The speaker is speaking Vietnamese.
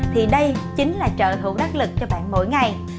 thì đây chính là trợ thủ đắc lực cho bạn mỗi ngày